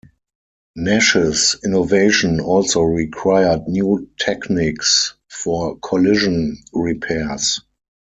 Nash's innovation also required new techniques for collision repairs.